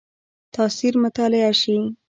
تاثیر مطالعه شي.